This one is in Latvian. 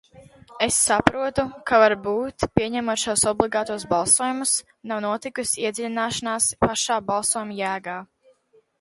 Es saprotu, ka varbūt, pieņemot šos obligātos balsojumus, nav notikusi iedziļināšanās pašā balsojuma jēgā.